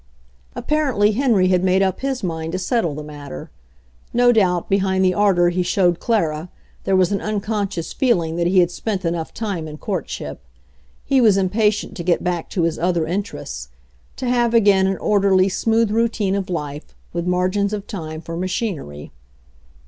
Apparently Henry had made up his mind to settle the matter. No doubt, behind the ardor he showed Clara there was an unconscious feel ing that he had spent enough time in courtship; he was impatient to get back to his other inter ests, to have again an orderly, smooth routine of life, with margins of time for machinery.